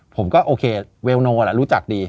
ผมก็โอเครู้จักดี